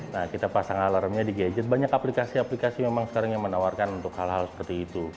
nah kita pasang alarmnya di gadget banyak aplikasi aplikasi memang sekarang yang menawarkan untuk hal hal seperti itu